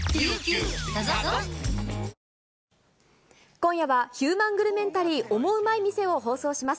今夜はヒューマングルメンタリー、オモウマい店を放送します。